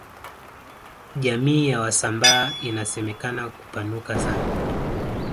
jamii ya wasambaa inasemekana kupanuka sana